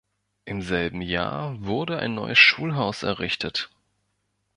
Im selben Jahr wurde ein neues Schulhaus errichtet.